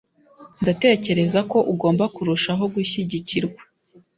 Ndatekereza ko ugomba kurushaho gushyigikirwa.